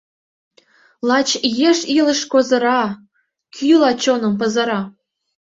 Лач еш илыш козыра, кӱла чоным пызыра.